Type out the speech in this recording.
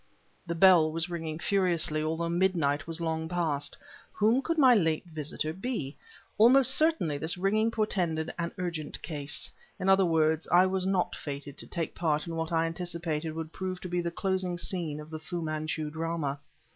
The bell was ringing furiously, although midnight was long past. Whom could my late visitor be? Almost certainly this ringing portended an urgent case. In other words, I was not fated to take part in what I anticipated would prove to be the closing scene of the Fu Manchu drama.